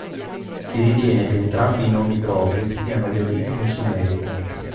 Si ritiene che entrambi i nomi propri siano di origine sumerica.